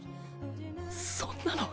そんなの。